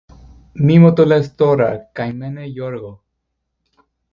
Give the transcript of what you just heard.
Μη μου το λες τώρα, καημένε Γιώργο!